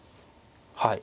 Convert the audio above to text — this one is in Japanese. はい。